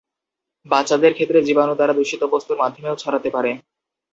বাচ্চাদের ক্ষেত্রে জীবাণু দ্বারা দূষিত বস্তুর মাধ্যমেও ছড়াতে পারে।